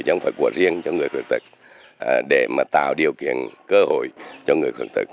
nhưng phải của riêng cho người khuyết tật để mà tạo điều kiện cơ hội cho người khuyết tật